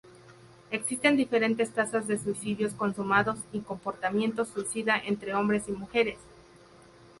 Existen diferentes tasas de suicidios consumados y comportamiento suicida entre hombres y mujeres.